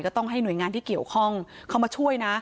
ต้องให้หน่วยงานที่เกี่ยวข้องเข้ามาช่วยนะ